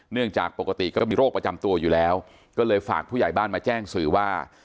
จากปกติก็มีโรคประจำตัวอยู่แล้วก็เลยฝากผู้ใหญ่บ้านมาแจ้งสื่อว่า